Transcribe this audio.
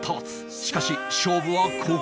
しかし勝負はここから